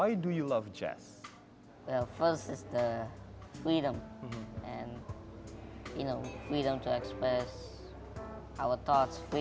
tentu saja perasaan suara dan perasaan jantung itu